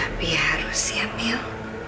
tapi harus ya amil